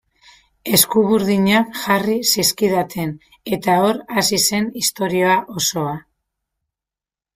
Eskuburdinak jarri zizkidaten eta hor hasi zen historia osoa.